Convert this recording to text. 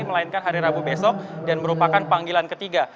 melainkan hari rabu besok dan merupakan panggilan ketiga